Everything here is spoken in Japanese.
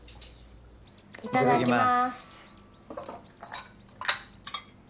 いただきます。